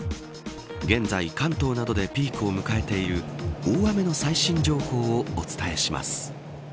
現在、関東などでピークを迎えている大雨の最新情報をお伝えします。